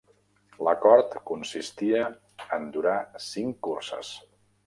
L'acord consistia en durar cinc curses.